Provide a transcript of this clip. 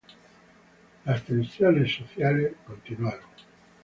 Las tensiones sociales continuaron.